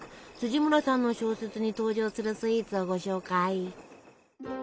村さんの小説に登場するスイーツをご紹介！